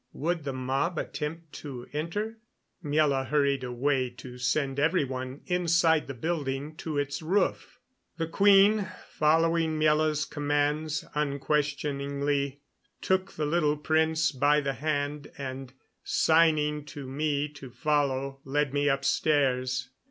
Would the mob attempt to enter? Miela hurried away to send every one inside the building to its roof. The queen, following Miela's commands unquestioningly, took the little prince by the hand and, signing to me to follow, led me upstairs.